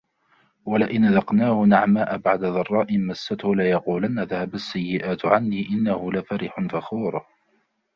ولئن أذقناه نعماء بعد ضراء مسته ليقولن ذهب السيئات عني إنه لفرح فخور